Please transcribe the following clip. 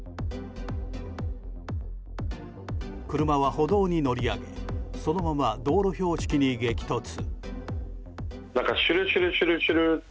車は歩道に乗り上げそのまま道路標識に激突。